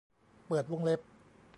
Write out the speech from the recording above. เปิดวงเล็บ